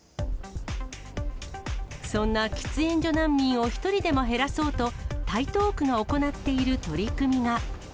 そんな喫煙所難民を１人でも減らそうと、台東区が行っている取り組みが。